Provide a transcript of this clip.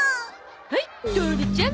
はいトオルちゃん